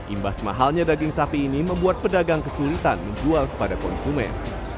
imbas mahalnya daging sapi ini membuat pedagang kesulitan menjual kepada konsumen